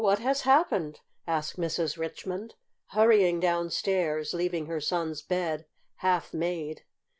What has happened?" asked Mrs. Richmond, hurrying downstairs, leaving her son's bed half made.